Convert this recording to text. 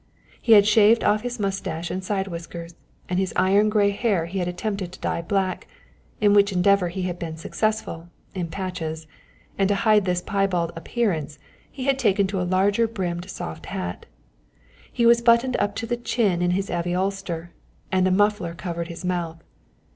He had shaved off his moustache and side whiskers, and his iron grey hair he had attempted to dye black, in which endeavour he had been successful in patches and to hide this piebald appearance he had taken to a larger brimmed soft hat. He was buttoned up to the chin in his heavy ulster, and a muffler covered his mouth.